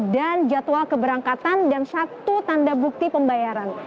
dan jadwal keberangkatan dan satu tanda bukti pembayaran